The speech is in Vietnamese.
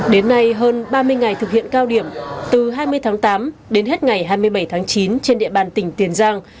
đến nay hơn ba mươi ngày thực hiện cao điểm từ hai mươi tháng tám đến hết ngày hai mươi bảy tháng chín trên địa bàn tỉnh tiền giang